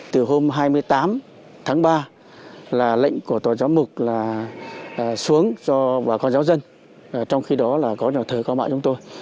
từ hôm hai mươi tám tháng ba là lệnh của tòa giáo mục là xuống cho bà con giáo dân trong khi đó là có nhà thờ cao mạng chúng tôi